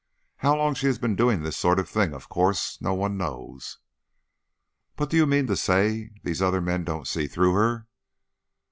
How long she has been doing this sort of thing, of course no one knows." "But do you mean to say these other men don't see through her?"